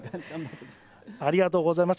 ありがとうございます。